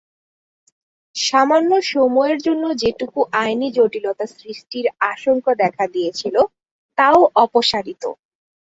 সামান্য সময়ের জন্য যেটুকু আইনি জটিলতা সৃষ্টির আশঙ্কা দেখা দিয়েছিল, তা-ও অপসারিত।